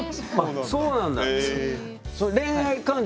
そうなんだ。